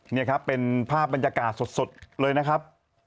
นี่ครับเป็นภาพบรรยากาศสดเลยนะครับ